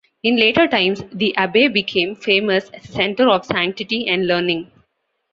In later times the abbey became famous as a centre of sanctity and learning.